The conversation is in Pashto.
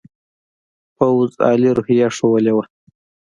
پوځ عالي روحیه ښودلې ده.